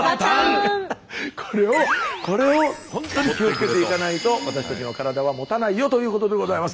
これをほんとに気をつけていかないと私たちの体はもたないよということでございます。